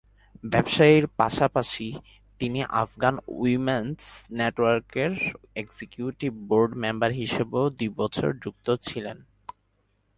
ব্যবসায়ের পাশাপাশি তিনি আফগান উইমেন্স নেটওয়ার্কের এক্সিকিউটিভ বোর্ড মেম্বার হিসেবেও দুই বছর যুক্ত ছিলেন।